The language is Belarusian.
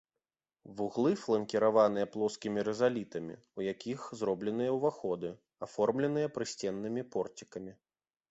Вуглы фланкіраваныя плоскімі рызалітамі, у якіх зробленыя ўваходы, аформленыя прысценнымі порцікамі.